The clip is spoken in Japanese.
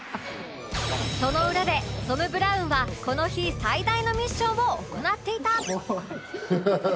その裏でトム・ブラウンはこの日最大のミッションを行っていた